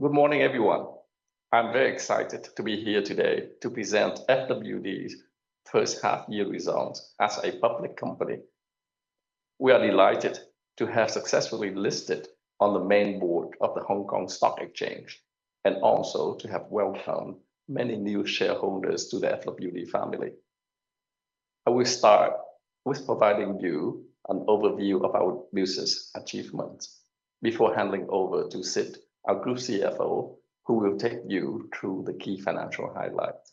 Good morning, everyone. I'm very excited to be here today to present FWD's first half year results as a public company. We are delighted to have successfully listed on the main board of the Hong Kong Stock Exchange and also to have welcomed many new shareholders to the FWD family. I will start with providing you an overview of our business achievements before handing over to Sid, our Group CFO, who will take you through the key financial highlights.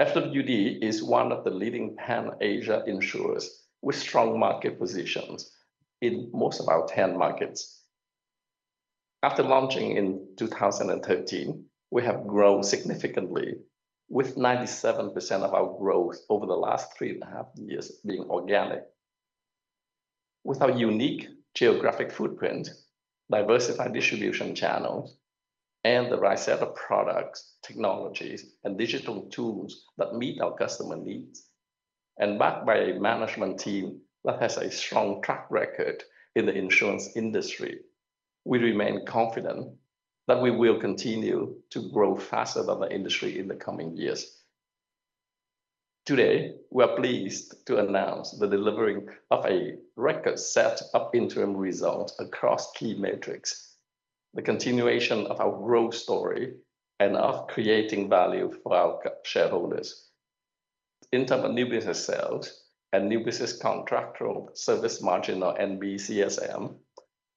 FWD is one of the leading pan-Asian insurers with strong market positions in most of our 10 markets. After launching in 2013, we have grown significantly with 97% of our growth over the last three and a half years being organic. With our unique geographic footprint, diversified distribution channels, and the right set of products, technologies, and digital tools that meet our customer needs, and backed by a management team that has a strong track record in the insurance industry, we remain confident that we will continue to grow faster than the industry in the coming years. Today, we are pleased to announce the delivery of a record set of interim results across key metrics, the continuation of our growth story, and of creating value for our shareholders. In terms of new business sales and new business contractual service margin, or NB CSM,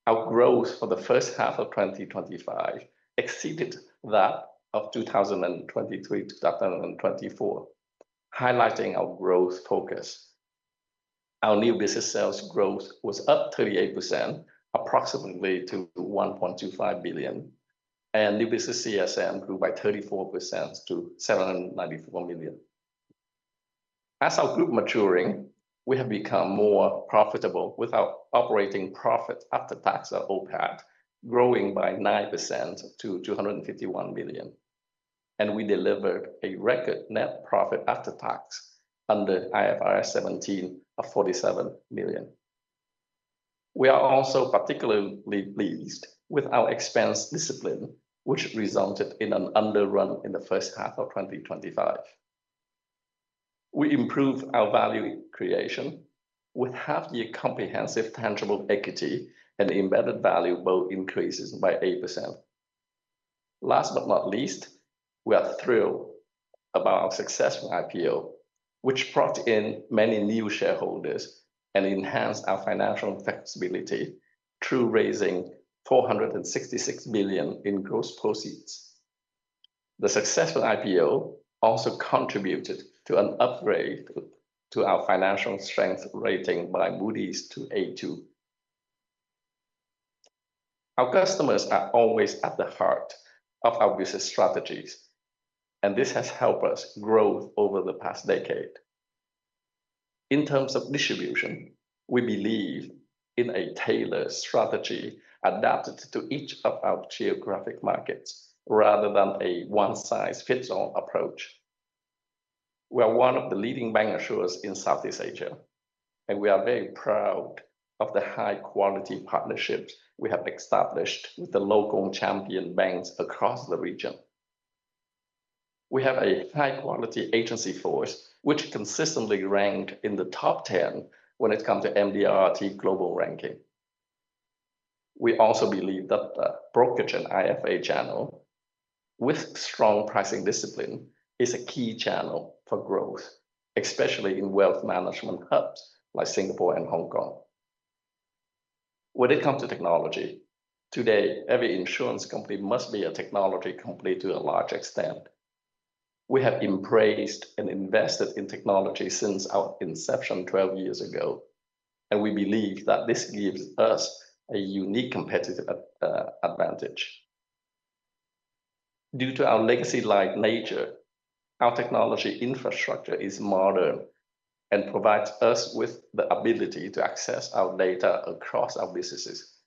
our growth for the first half of 2025 exceeded that of 2023-2024, highlighting our growth focus. Our new business sales growth was up 38% approximately to $1.25 billion, and new business CSM grew by 34% to $794 million. As our group is maturing, we have become more profitable with our operating profit after tax, or OPAT, growing by 9% to $251 million. We delivered a record net profit after tax under IFRS 17 of $47 million. We are also particularly pleased with our expense discipline, which resulted in an underrun in the first half of 2025. We improved our value creation with half-year comprehensive tangible equity and embedded value both increased by 8%. Last but not least, we are thrilled about our successful IPO, which brought in many new shareholders and enhanced our financial flexibility through raising $466 million in gross proceeds. The successful IPO also contributed to an upgrade to our financial strength rating by Moody's to A2. Our customers are always at the heart of our business strategies, and this has helped us grow over the past decade. In terms of distribution, we believe in a tailored strategy adapted to each of our geographic markets rather than a one-size-fits-all approach. We are one of the leading bancassurers in Southeast Asia, and we are very proud of the high quality partnerships we have established with the local champion banks across the region. We have a high quality agency force which consistently ranked in the top ten when it comes to Million Dollar Round Table global ranking. We also believe that the brokerage and IFA channel with strong pricing discipline is a key channel for growth, especially in wealth management hubs like Singapore and Hong Kong. When it comes to technology, today every insurance company must be a technology company to a large extent. We have embraced and invested in technology since our inception 12 years ago, and we believe that this gives us a unique competitive advantage. Due to our legacy-light nature, our technology infrastructure is modern and provides us with the ability to access our data across our businesses.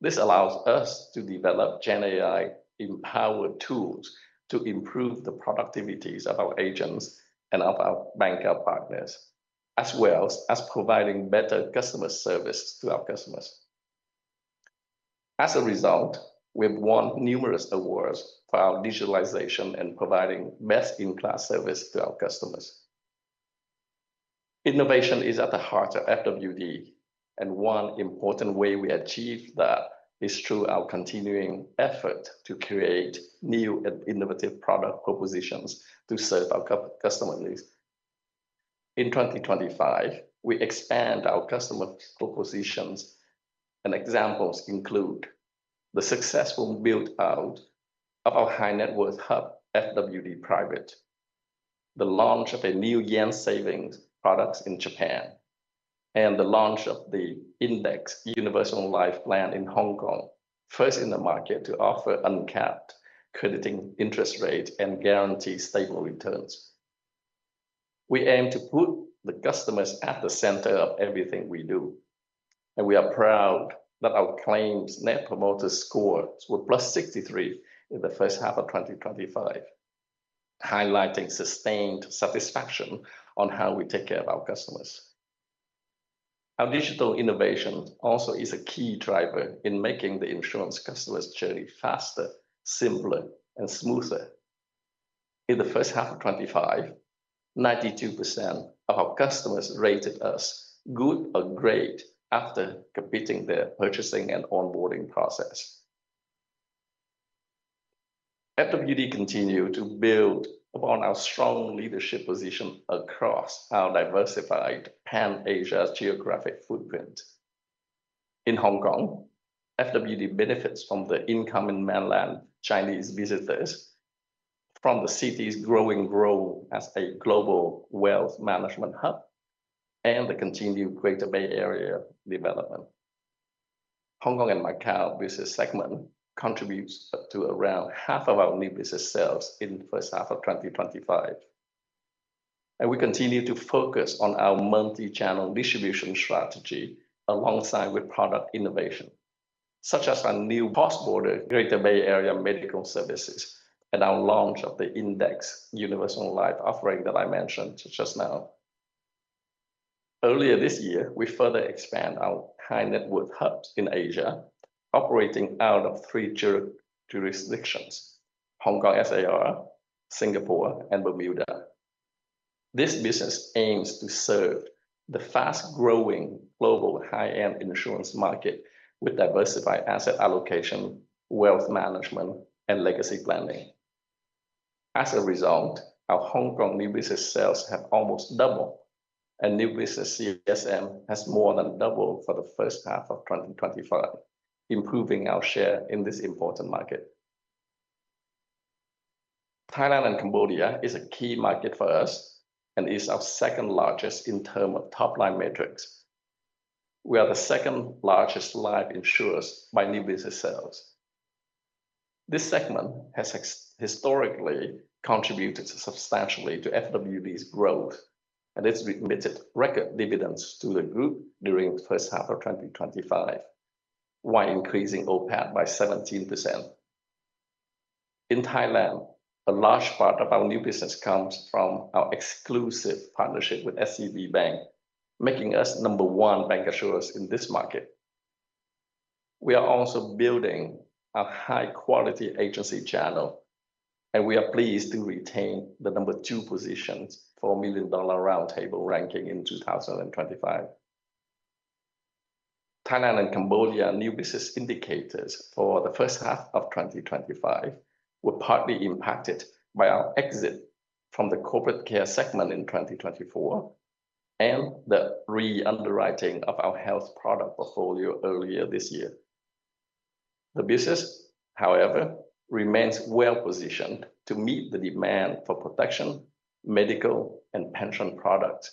This allows us to develop GenAI empowered tools to improve the productivities of our agents and of our banker partners, as well as providing better customer service to our customers. As a result, we've won numerous awards for our digitalization and providing best-in-class service to our customers. Innovation is at the heart of FWD, and one important way we achieve that is through our continuing effort to create new and innovative product propositions to serve our customer needs. In 2025, we expand our customer propositions and examples include the successful build-out of our high net worth hub, FWD Private, the launch of a new yen savings product in Japan, and the launch of the Index Universal Life plan in Hong Kong, first in the market to offer uncapped crediting interest rate and guaranteed stable returns. We aim to put the customers at the center of everything we do, and we are proud that our claims Net Promoter Scores were +63 in the first half of 2025, highlighting sustained satisfaction on how we take care of our customers. Our digital innovation also is a key driver in making the insurance customer's journey faster, simpler and smoother. In the first half of 2025, 92% of our customers rated us good or great after completing their purchasing and onboarding process. FWD continues to build upon our strong leadership position across our diversified pan-Asian geographic footprint. In Hong Kong, FWD benefits from the incoming mainland Chinese visitors, from the city's growing role as a global wealth management hub and the continued Greater Bay Area development. Hong Kong and Macau business segment contributes up to around half of our new business sales in first half of 2025. We continue to focus on our multi-channel distribution strategy alongside with product innovation, such as our new cross-border Greater Bay Area medical services and our launch of the Index Universal Life offering that I mentioned just now. Earlier this year, we further expand our high-net-worth hubs in Asia, operating out of three jurisdictions: Hong Kong SAR, Singapore and Bermuda. This business aims to serve the fast-growing global high-end insurance market with diversified asset allocation, wealth management and legacy planning. As a result, our Hong Kong new business sales have almost doubled and new business CSM has more than doubled for the first half of 2025, improving our share in this important market. Thailand and Cambodia is a key market for us and is our second largest in terms of top line metrics. We are the second largest life insurers by new business sales. This segment has historically contributed substantially to FWD's growth, and it's remitted record dividends to the group during the first half of 2025, while increasing OPAT by 17%. In Thailand, a large part of our new business comes from our exclusive partnership with SCB Bank, making us number one bancassurance in this market. We are also building a high quality agency channel, and we are pleased to retain the number two positions for Million Dollar Round Table ranking in 2025. Thailand and Cambodia new business indicators for the first half of 2025 were partly impacted by our exit from the corporate care segment in 2024 and the re-underwriting of our health product portfolio earlier this year. The business, however, remains well-positioned to meet the demand for protection, medical and pension products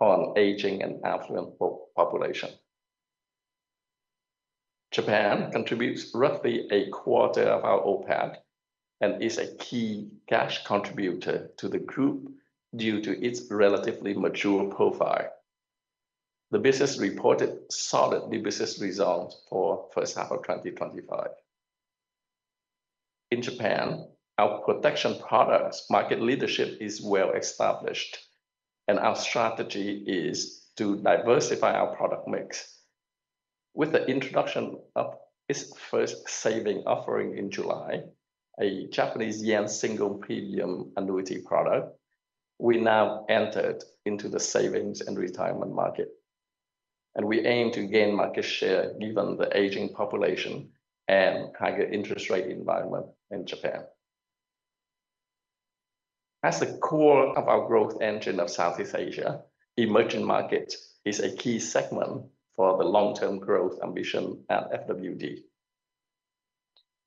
upon an aging and affluent population. Japan contributes roughly a quarter of our OPAT and is a key cash contributor to the group due to its relatively mature profile. The business reported solid new business results for first half of 2025. In Japan, our protection products market leadership is well established and our strategy is to diversify our product mix. With the introduction of its first savings offering in July, a JPY single premium annuity product, we now entered into the savings and retirement market, and we aim to gain market share given the aging population and higher interest rate environment in Japan. As the core of our growth engine of Southeast Asia, emerging market is a key segment for the long term growth ambition at FWD.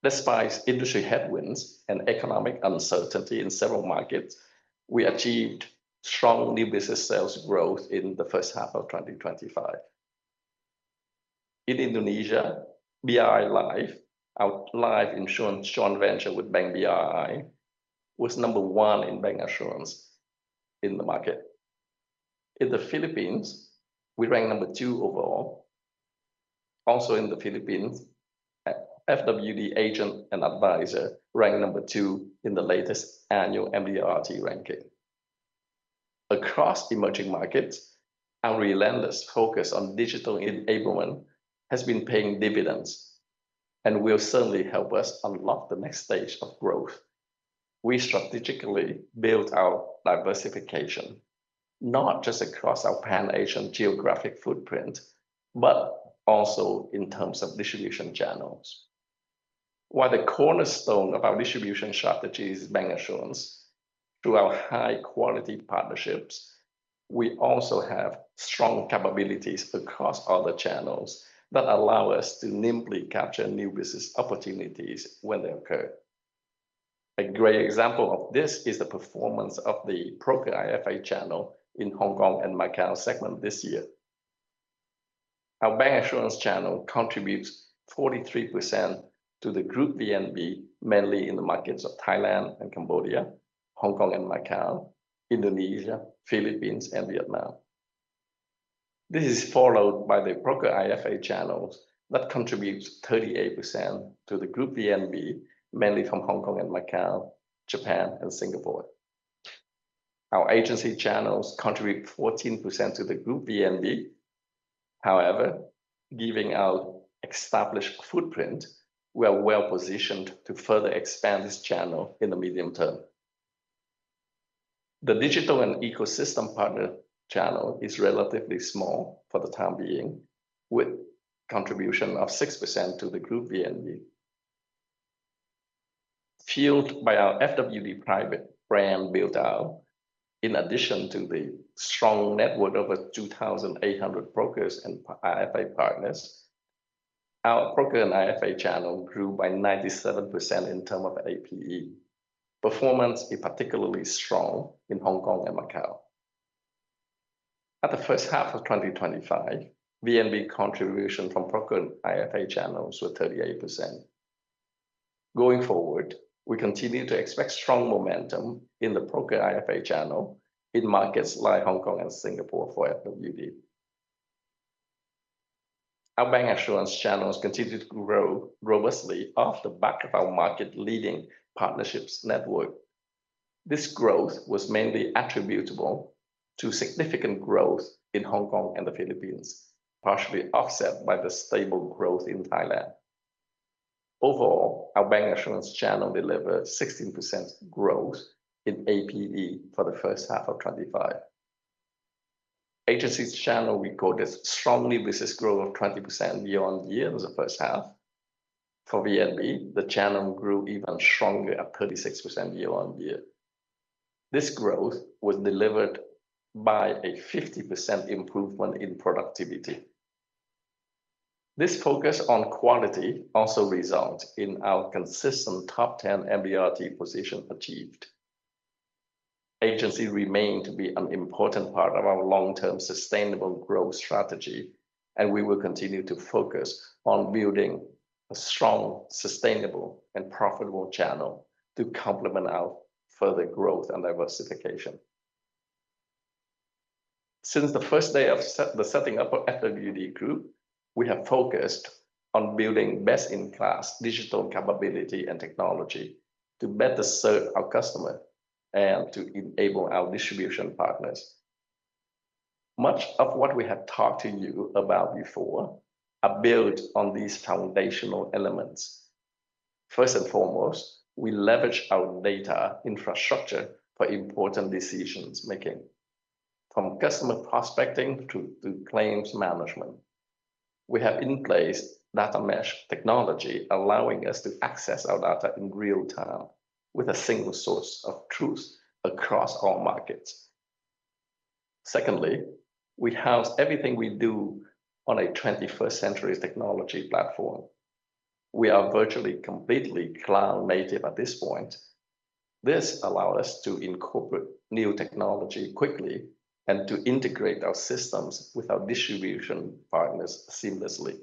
Despite industry headwinds and economic uncertainty in several markets, we achieved strong new business sales growth in the first half of 2025. In Indonesia, BRI Life, our life insurance joint venture with Bank BRI, was number one in bancassurance in the market. In the Philippines, we rank number two overall. Also in the Philippines, FWD agent and advisor ranked number two in the latest annual MDRT ranking. Across emerging markets, our relentless focus on digital enablement has been paying dividends and will certainly help us unlock the next stage of growth. We strategically built our diversification not just across our pan-Asian geographic footprint, but also in terms of distribution channels. While the cornerstone of our distribution strategy is bancassurance through our high quality partnerships, we also have strong capabilities across other channels that allow us to nimbly capture new business opportunities when they occur. A great example of this is the performance of the broker IFA channel in Hong Kong and Macau segment this year. Our bancassurance channel contributes 43% to the group VNB, mainly in the markets of Thailand and Cambodia, Hong Kong and Macau, Indonesia, Philippines and Vietnam. This is followed by the broker IFA channels that contributes 38% to the group VNB, mainly from Hong Kong and Macau, Japan and Singapore. Our agency channels contribute 14% to the group VNB. However, given our established footprint, we are well positioned to further expand this channel in the medium term. The digital and ecosystem partner channel is relatively small for the time being, with contribution of 6% to the group VNB. Fueled by our FWD Private brand build-out, in addition to the strong network of over 2,800 brokers and IFA partners, our broker and IFA channel grew by 97% in terms of APE. Performance is particularly strong in Hong Kong and Macau. At the first half of 2025, VNB contribution from broker and IFA channels were 38%. Going forward, we continue to expect strong momentum in the broker IFA channel in markets like Hong Kong and Singapore for FWD. Our bancassurance channels continued to grow robustly off the back of our market-leading partnerships network. This growth was mainly attributable to significant growth in Hong Kong and the Philippines, partially offset by the stable growth in Thailand. Overall, our bancassurance channel delivered 16% growth in APE for the first half of 2025. Agency channel recorded strong business growth of 20% year-on-year in the first half. For VNB, the channel grew even stronger at 36% year-on-year. This growth was delivered by a 50% improvement in productivity. This focus on quality also results in our consistent top ten MDRT position achieved. Agency remain to be an important part of our long-term sustainable growth strategy, and we will continue to focus on building a strong, sustainable, and profitable channel to complement our further growth and diversification. Since the first day of the setting up of FWD Group, we have focused on building best-in-class digital capability and technology to better serve our customer and to enable our distribution partners. Much of what we have talked to you about before are built on these foundational elements. First and foremost, we leverage our data infrastructure for important decision making. From customer prospecting to claims management. We have in place data mesh technology, allowing us to access our data in real time with a single source of truth across all markets. Secondly, we house everything we do on a 21st-century technology platform. We are virtually completely cloud native at this point. This allow us to incorporate new technology quickly and to integrate our systems with our distribution partners seamlessly.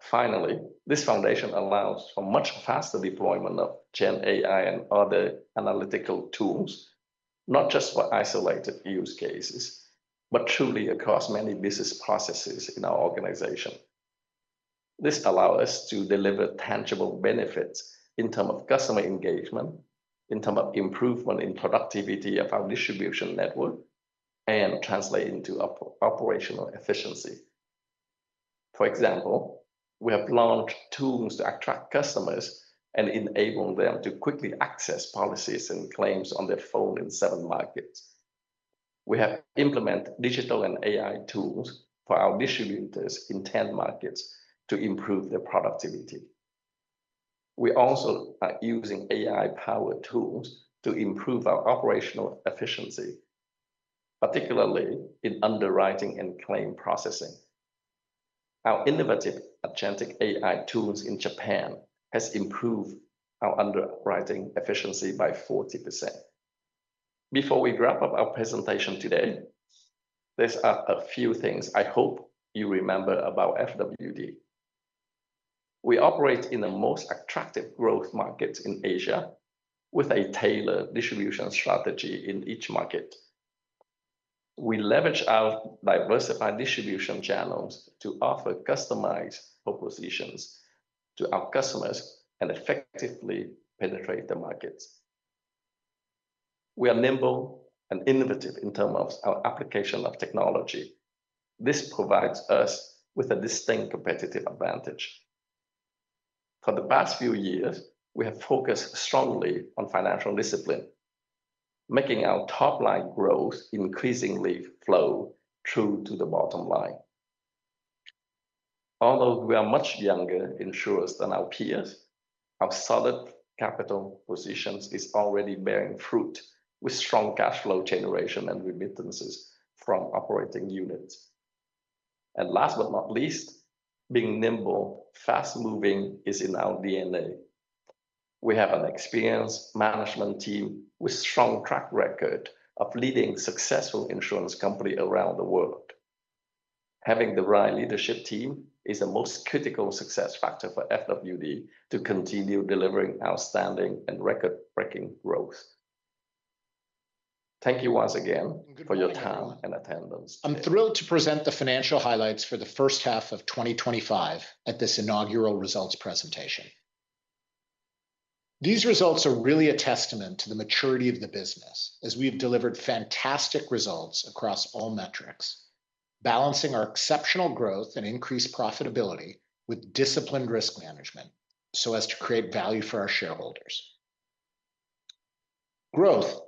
Finally, this foundation allows for much faster deployment of GenAI and other analytical tools, not just for isolated use cases, but truly across many business processes in our organization. This allow us to deliver tangible benefits in term of customer engagement, in term of improvement in productivity of our distribution network, and translate into operational efficiency. For example, we have launched tools to attract customers and enable them to quickly access policies and claims on their phone in seven markets. We have implement digital and AI tools for our distributors in 10 markets to improve their productivity. We also are using AI powered tools to improve our operational efficiency, particularly in underwriting and claim processing. Our innovative agentic AI tools in Japan has improved our underwriting efficiency by 40%. Before we wrap up our presentation today, there's a few things I hope you remember about FWD. We operate in the most attractive growth markets in Asia with a tailored distribution strategy in each market. We leverage our diversified distribution channels to offer customized propositions to our customers and effectively penetrate the markets. We are nimble and innovative in term of our application of technology. This provides us with a distinct competitive advantage. For the past few years, we have focused strongly on financial discipline, making our top-line growth increasingly flow through to the bottom line. Although we are much younger insurers than our peers, our solid capital positions is already bearing fruit with strong cash flow generation and remittances from operating units. Last but not least, being nimble, fast-moving is in our DNA. We have an experienced management team with strong track record of leading successful insurance company around the world. Having the right leadership team is the most critical success factor for FWD to continue delivering outstanding and record-breaking growth. Thank you once again for your time and attendance today. I'm thrilled to present the financial highlights for the first half of 2025 at this inaugural results presentation. These results are really a testament to the maturity of the business as we've delivered fantastic results across all metrics, balancing our exceptional growth and increased profitability with disciplined risk management so as to create value for our shareholders. Growth.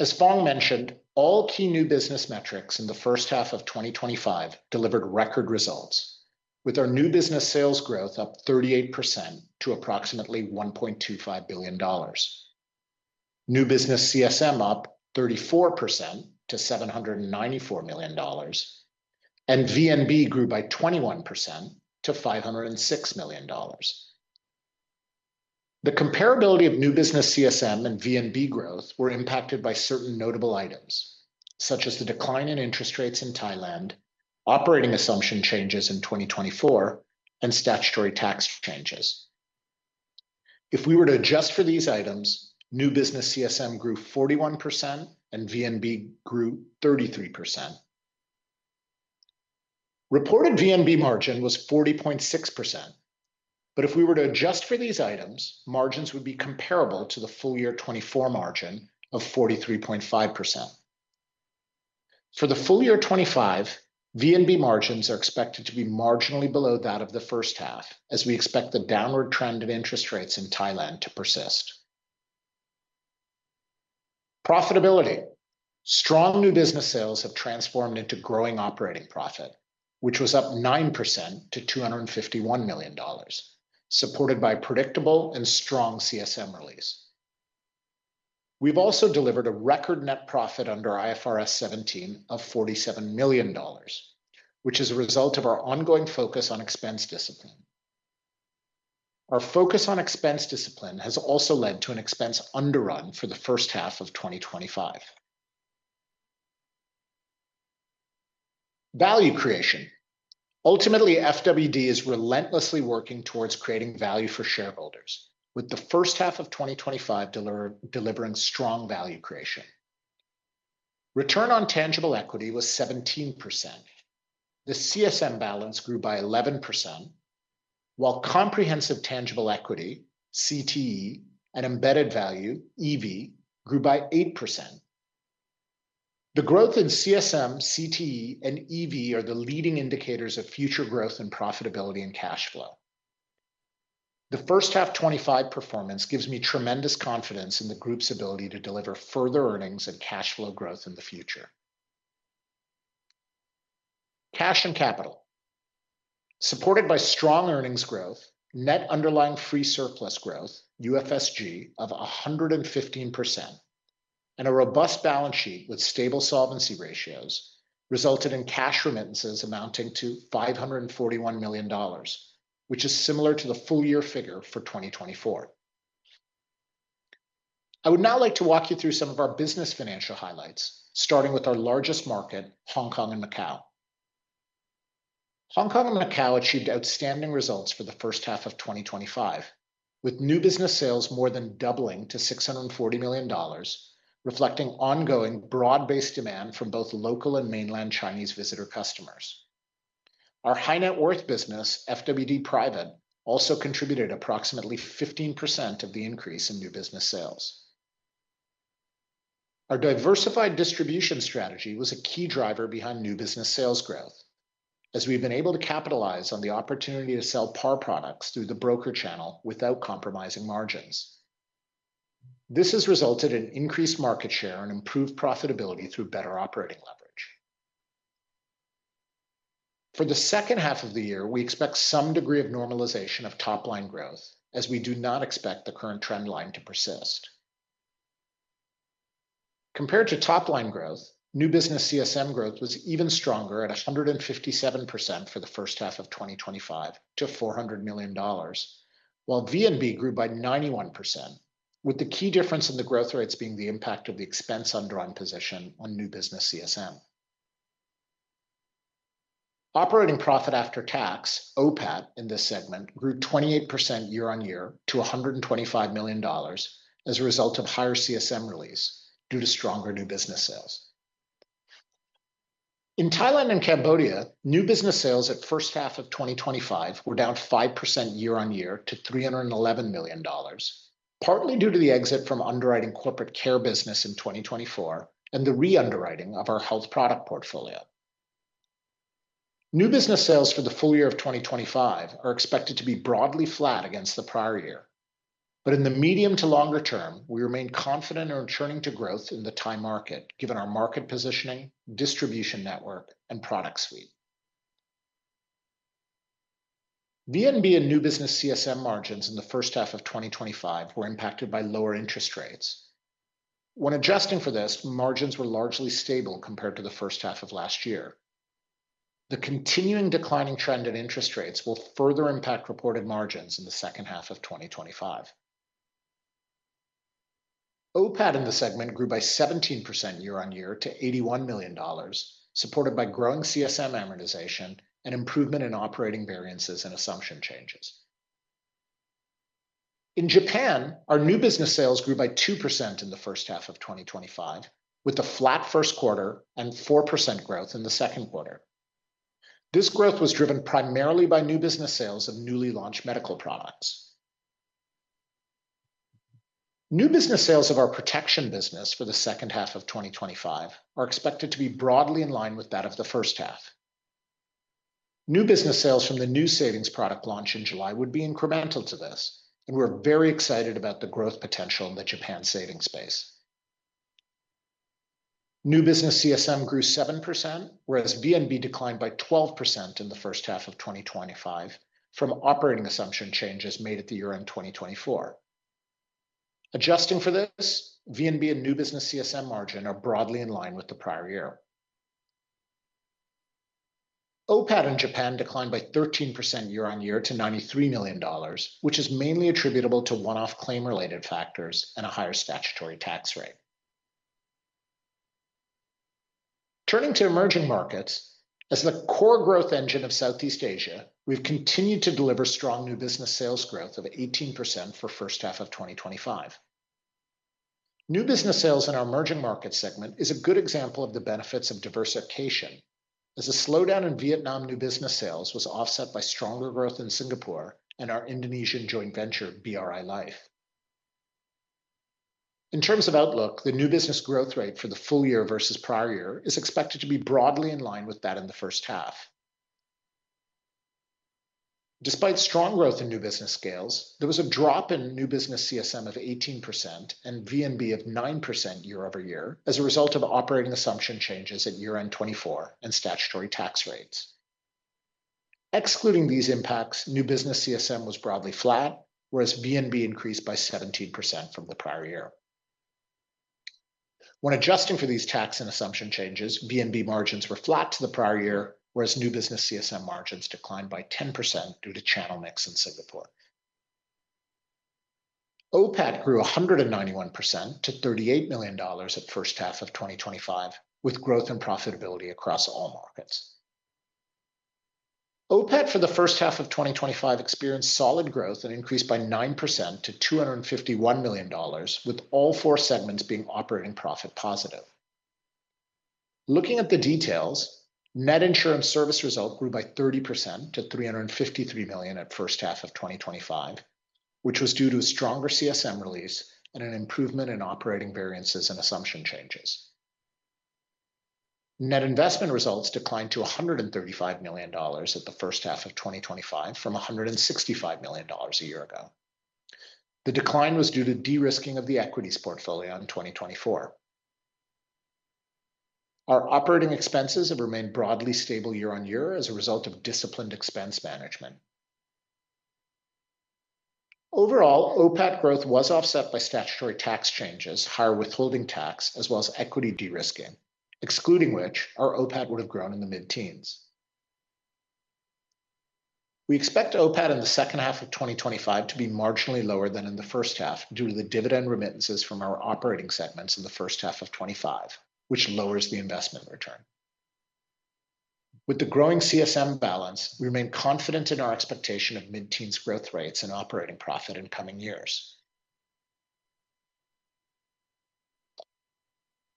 As Phong mentioned, all key new business metrics in the first half of 2025 delivered record results with our new business sales growth up 38% to approximately $1.25 billion. New business CSM up 34% to $794 million, and VNB grew by 21% to $506 million. The comparability of new business CSM and VNB growth were impacted by certain notable items, such as the decline in interest rates in Thailand, operating assumption changes in 2024, and statutory tax changes. If we were to adjust for these items, new business CSM grew 41% and VNB grew 33%. Reported VNB margin was 40.6%. If we were to adjust for these items, margins would be comparable to the full year 2024 margin of 43.5%. For the full year 2025, VNB margins are expected to be marginally below that of the first half, as we expect the downward trend of interest rates in Thailand to persist. Profitability. Strong new business sales have transformed into growing operating profit, which was up 9% to $251 million, supported by predictable and strong CSM release. We've also delivered a record net profit under IFRS 17 of $47 million, which is a result of our ongoing focus on expense discipline. Our focus on expense discipline has also led to an expense underrun for the first half of 2025. Value creation. Ultimately, FWD is relentlessly working towards creating value for shareholders. With the first half of 2025 delivering strong value creation. Return on tangible equity was 17%. The CSM balance grew by 11%, while comprehensive tangible equity (CTE), and embedded value (EV), grew by 8%. The growth in CSM, CTE, and EV are the leading indicators of future growth and profitability and cash flow. The first half 2025 performance gives me tremendous confidence in the group's ability to deliver further earnings and cash flow growth in the future. Cash and capital. Supported by strong earnings growth, net underlying free surplus growth (UFSG) of 115%, and a robust balance sheet with stable solvency ratios resulted in cash remittances amounting to $541 million, which is similar to the full year figure for 2024. I would now like to walk you through some of our business financial highlights, starting with our largest market, Hong Kong and Macau. Hong Kong and Macau achieved outstanding results for the first half of 2025, with new business sales more than doubling to $640 million, reflecting ongoing broad-based demand from both local and mainland Chinese visitor customers. Our high net worth business, FWD Private, also contributed approximately 15% of the increase in new business sales. Our diversified distribution strategy was a key driver behind new business sales growth, as we've been able to capitalize on the opportunity to sell Par products through the broker channel without compromising margins. This has resulted in increased market share and improved profitability through better operating leverage. For the second half of the year, we expect some degree of normalization of top line growth as we do not expect the current trend line to persist. Compared to top line growth, new business CSM growth was even stronger at 157% for the first half of 2025 to $400 million, while VNB grew by 91%, with the key difference in the growth rates being the impact of the expense underrun position on new business CSM. Operating profit after tax (OPAT), in this segment grew 28% year-on-year to $125 million as a result of higher CSM release due to stronger new business sales. In Thailand and Cambodia, new business sales at first half of 2025 were down 5% year-on-year to $311 million, partly due to the exit from underwriting corporate care business in 2024 and the re-underwriting of our health product portfolio. New business sales for the full year of 2025 are expected to be broadly flat against the prior year. In the medium to longer term, we remain confident in returning to growth in the Thai market given our market positioning, distribution network, and product suite. VNB and new business CSM margins in the first half of 2025 were impacted by lower interest rates. When adjusting for this, margins were largely stable compared to the first half of last year. The continuing declining trend in interest rates will further impact reported margins in the second half of 2025. OPAT in the segment grew by 17% year-on-year to $81 million, supported by growing CSM amortization and improvement in operating variances and assumption changes. In Japan, our new business sales grew by 2% in the first half of 2025, with a flat first quarter and 4% growth in the second quarter. This growth was driven primarily by new business sales of newly launched medical products. New business sales of our protection business for the second half of 2025 are expected to be broadly in line with that of the first half. New business sales from the new savings product launch in July would be incremental to this, and we're very excited about the growth potential in the Japan savings space. New business CSM grew 7%, whereas VNB declined by 12% in the first half of 2025 from operating assumption changes made at the year-end 2024. Adjusting for this, VNB and new business CSM margin are broadly in line with the prior year. OPAT in Japan declined by 13% year-on-year to $93 million, which is mainly attributable to one-off claim related factors and a higher statutory tax rate. Turning to emerging markets, as the core growth engine of Southeast Asia, we've continued to deliver strong new business sales growth of 18% for first half of 2025. New business sales in our emerging markets segment is a good example of the benefits of diversification, as a slowdown in Vietnam new business sales was offset by stronger growth in Singapore and our Indonesian joint venture, BRI Life. In terms of outlook, the new business growth rate for the full year versus prior year is expected to be broadly in line with that in the first half. Despite strong growth in new business sales, there was a drop in new business CSM of 18% and VNB of 9% year-over-year as a result of operating assumption changes at year-end 2024 and statutory tax rates. Excluding these impacts, new business CSM was broadly flat, whereas VNB increased by 17% from the prior year. When adjusting for these tax and assumption changes, VNB margins were flat to the prior year, whereas new business CSM margins declined by 10% due to channel mix in Singapore. OPAT grew 191% to $38 million at first half of 2025, with growth and profitability across all markets. OPAT for the first half of 2025 experienced solid growth and increased by 9% to $251 million, with all four segments being operating profit positive. Looking at the details, net insurance service result grew by 30% to $353 million at first half of 2025, which was due to a stronger CSM release and an improvement in operating variances and assumption changes. Net investment results declined to $135 million in the first half of 2025 from $165 million a year ago. The decline was due to de-risking of the equities portfolio in 2024. Our operating expenses have remained broadly stable year-on-year as a result of disciplined expense management. Overall, OPAT growth was offset by statutory tax changes, higher withholding tax, as well as equity de-risking, excluding which our OPAT would have grown in the mid-teens. We expect OPAT in the second half of 2025 to be marginally lower than in the first half due to the dividend remittances from our operating segments in the first half of 2025, which lowers the investment return. With the growing CSM balance, we remain confident in our expectation of mid-teens growth rates and operating profit in coming years.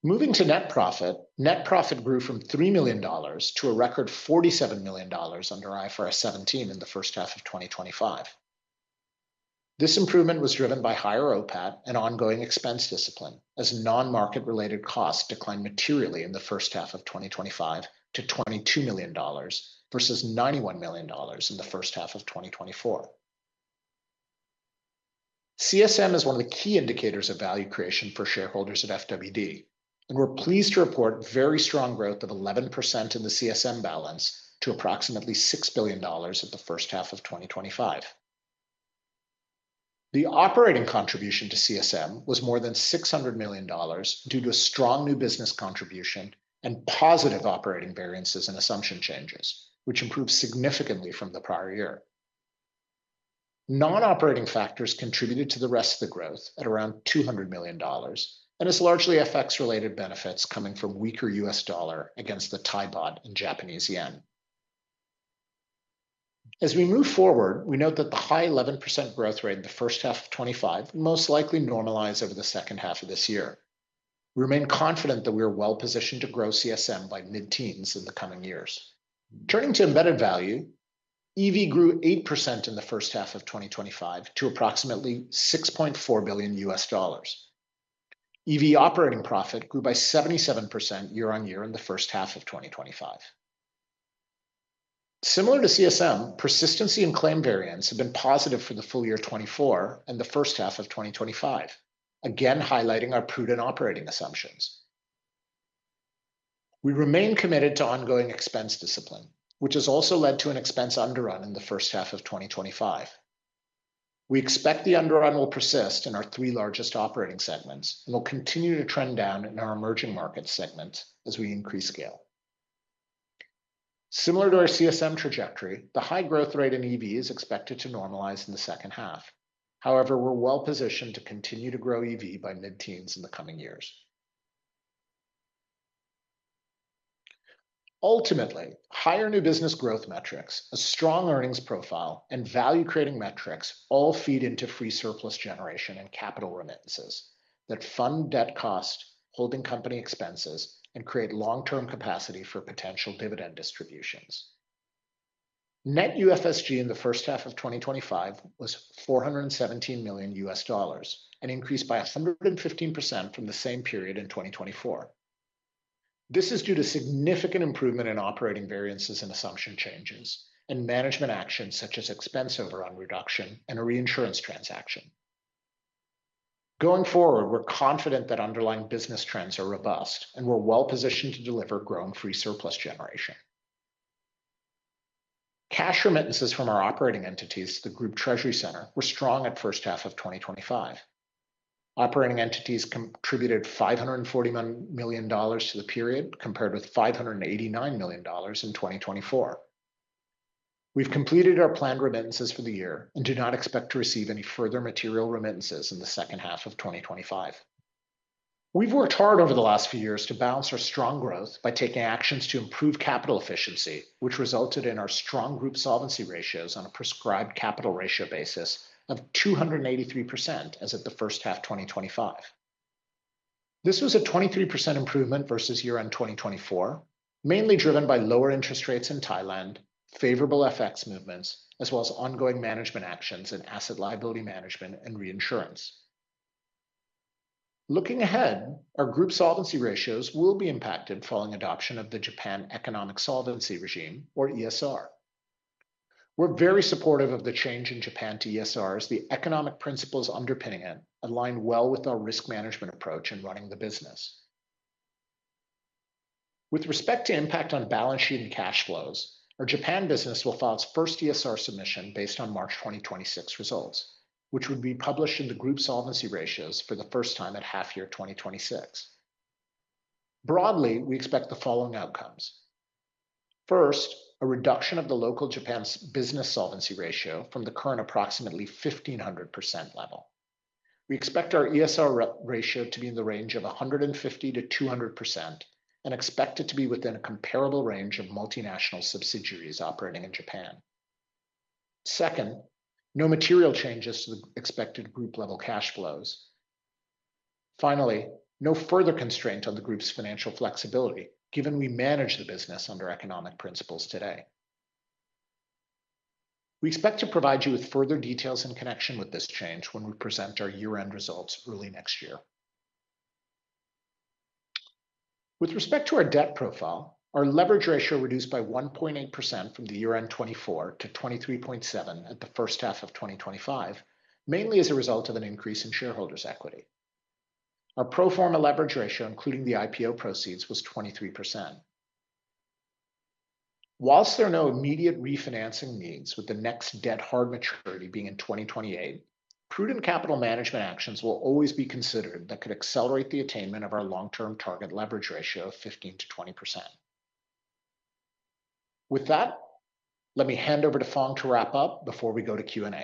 Moving to net profit, net profit grew from $3 million to a record $47 million under IFRS 17 in the first half of 2025. This improvement was driven by higher OPAT and ongoing expense discipline as non-market related costs declined materially in the first half of 2025 to $22 million, versus $91 million in the first half of 2024. CSM is one of the key indicators of value creation for shareholders at FWD, and we're pleased to report very strong growth of 11% in the CSM balance to approximately $6 billion at the first half of 2025. The operating contribution to CSM was more than $600 million due to a strong new business contribution and positive operating variances and assumption changes, which improved significantly from the prior year. Non-operating factors contributed to the rest of the growth at around $200 million, and this largely affects related benefits coming from weaker USD against the THB and JPY. As we move forward, we note that the high 11% growth rate in the first half of 2025 will most likely normalize over the second half of this year. We remain confident that we are well positioned to grow CSM by mid-teens in the coming years. Turning to embedded value, EV grew 8% in the first half of 2025 to approximately $6.4 billion. EV operating profit grew by 77% year-on-year in the first half of 2025. Similar to CSM, persistency and claim variance have been positive for the full year 2024 and the first half of 2025, again highlighting our prudent operating assumptions. We remain committed to ongoing expense discipline, which has also led to an expense underrun in the first half of 2025. We expect the underrun will persist in our three largest operating segments and will continue to trend down in our emerging markets segment as we increase scale. Similar to our CSM trajectory, the high growth rate in EV is expected to normalize in the second half. However, we're well positioned to continue to grow EV by mid-teens in the coming years. Ultimately, higher new business growth metrics, a strong earnings profile, and value-creating metrics all feed into free surplus generation and capital remittances that fund debt cost, holding company expenses, and create long-term capacity for potential dividend distributions. Net UFSG in the first half of 2025 was $417 million, and increased by 115% from the same period in 2024. This is due to significant improvement in operating variances and assumption changes, and management actions such as expense overrun reduction and a reinsurance transaction. Going forward, we're confident that underlying business trends are robust and we're well-positioned to deliver growing free surplus generation. Cash remittances from our operating entities to the group treasury center were strong in the first half of 2025. Operating entities contributed $541 million for the period, compared with $589 million in 2024. We've completed our planned remittances for the year and do not expect to receive any further material remittances in the second half of 2025. We've worked hard over the last few years to balance our strong growth by taking actions to improve capital efficiency, which resulted in our strong group solvency ratios on a prescribed capital ratio basis of 283% as of the first half 2025. This was a 23% improvement versus year-end 2024, mainly driven by lower interest rates in Thailand, favorable FX movements, as well as ongoing management actions and asset liability management and reinsurance. Looking ahead, our group solvency ratios will be impacted following adoption of the Japan Economic Solvency Regime or ESR. We're very supportive of the change in Japan to ESR as the economic principles underpinning it align well with our risk management approach in running the business. With respect to impact on balance sheet and cash flows, our Japan business will file its first ESR submission based on March 2026 results, which would be published in the group solvency ratios for the first time at half year 2026. Broadly, we expect the following outcomes. First, a reduction of the local Japan's business solvency ratio from the current approximately 1,500% level. We expect our ESR ratio to be in the range of 150%-200% and expect it to be within a comparable range of multinational subsidiaries operating in Japan. Second, no material changes to the expected group level cash flows. Finally, no further constraint on the group's financial flexibility, given we manage the business under economic principles today. We expect to provide you with further details in connection with this change when we present our year-end results early next year. With respect to our debt profile, our leverage ratio reduced by 1.8% from the year-end 2024 to 23.7% at the first half of 2025, mainly as a result of an increase in shareholders' equity. Our pro forma leverage ratio, including the IPO proceeds, was 23%. While there are no immediate refinancing needs with the next debt hard maturity being in 2028, prudent capital management actions will always be considered that could accelerate the attainment of our long-term target leverage ratio of 15%-20%. With that, let me hand over to Phong to wrap up before we go to Q&A.